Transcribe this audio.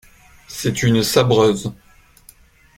C'est une sabreuse.